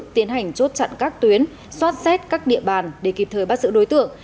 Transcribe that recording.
tiến hành chốt chặn các tuyến xoát xét các địa bàn để kịp thời bắt giữ đối tượng